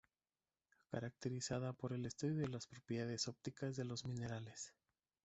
Caracterizada por el estudio de las propiedades ópticas de los minerales.